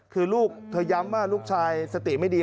คือลูกเธอย้ำว่าลูกชายสติไม่ดี